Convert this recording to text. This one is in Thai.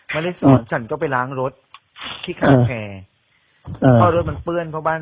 ไม่ได้สอนฉันก็ไปล้างรถที่คาแคร์เพราะรถมันเปื้อนเพราะบ้าน